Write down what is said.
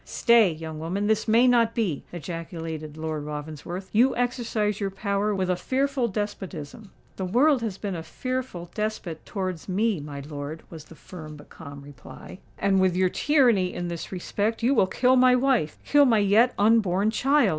"Stay, young woman—this may not be!" ejaculated Lord Ravensworth. "You exercise your power with a fearful despotism." "The world has been a fearful despot towards me, my lord," was the firm but calm reply. "And with your tyranny in this respect you will kill my wife—kill my yet unborn child!"